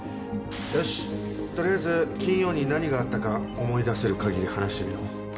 よし取りあえず金曜に何があったか思い出せる限り話してみろ。